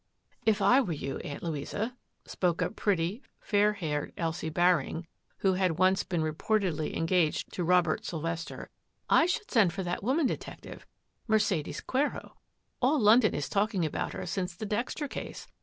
" If I were you, Aunt Louisa,'* spoke up pr< fair haired Elsie Baring, who had once beer ported engaged to Robert Sylvester, " I sh send for that woman detective, Mercedes Qi All London is talking about her since the De Case.